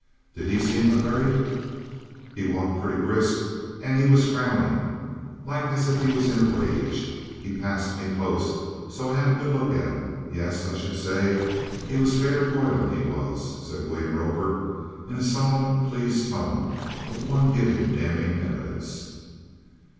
"Did he seem in a hurry?" "'E walked pretty brisk, and 'e was frowning, like as if 'e was in a rage. 'E passed me close, so I 'ad a good look at 'im. Yes; I should say 'e was fair boilen', 'e was," said William Roper, in a solemn, pleased tone of one giving damning evidence.